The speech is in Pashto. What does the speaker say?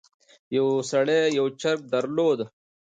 یو سړي یو چرګ درلود.